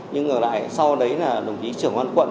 nhưng ngược lại sau đấy là đồng chí trưởng an quận